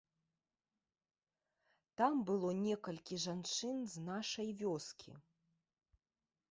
Там было некалькі жанчын з нашай вёскі.